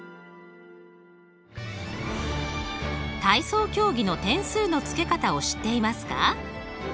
体操競技の点数のつけ方を知っていますか？